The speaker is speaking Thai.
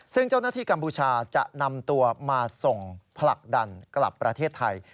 ซึ่งเจ้าหน้าที่กัมพูชาจะนำตัวมาส่งผลักดันกลับประเทศไทย